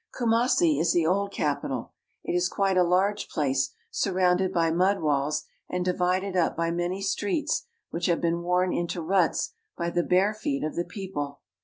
Kumassi is the old capital. It is quite a large place, f tfurrounded by mud walls and divided up by many streets I which have been worn into ruts by the hare feet of the L people.